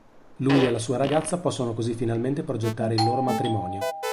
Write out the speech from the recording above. Lui e la sua ragazza possono così finalmente progettare il loro matrimonio.